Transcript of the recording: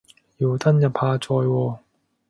要登入下載喎